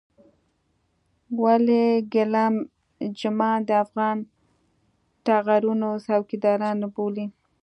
ولې ګېلم جمان د افغاني ټغرونو څوکيداران نه بولې.